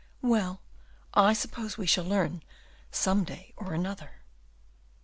Well, I suppose we shall learn some day or another."